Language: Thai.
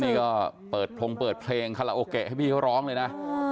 นี่ก็เปิดพรงเปิดเพลงคาราโอเกะให้พี่เขาร้องเลยนะ